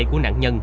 của nạn nhân